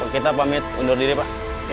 kita pamit undur diri pak